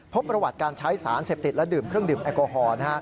พบประวัติการใช้สารเสพติดและดื่มเครื่องดื่มแอลกอฮอล